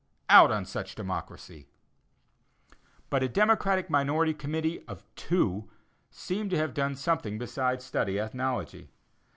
Out on such "democracy." But a Democratic minority committee (of two) seem to have done something besides study ethnology.